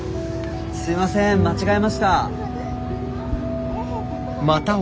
すいません間違えました。